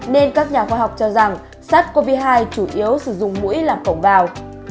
nên các nhà khoa học cho rằng sars cov hai chủ yếu sử dụng mũi làm cổng vào